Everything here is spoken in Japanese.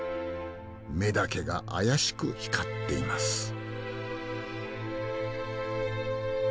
目だけが妖しく光っています。